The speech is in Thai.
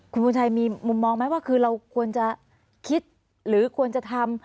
คุณบุญชัยมีมุมมองไหมว่าคือเราควรจะคิดหรือควรจะทำ